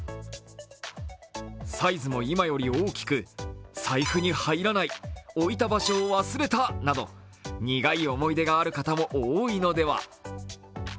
サイズも今より大きく財布に入らない、置いた場所を忘れたなど苦い思い出がある方も多いのでは。